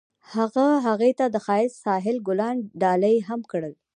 هغه هغې ته د ښایسته ساحل ګلان ډالۍ هم کړل.